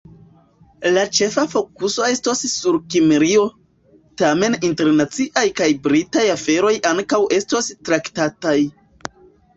La ĉefa fokuso estos sur Kimrio, tamen internaciaj kaj Britaj aferoj ankaŭ estos traktataj.